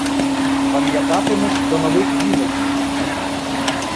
Пам’ятатимеш до нових віників.